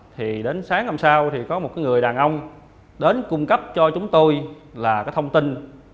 thì qua đợt vận động đó đến sáng năm sau có một người đàn ông đến cung cấp cho chúng tôi thông tin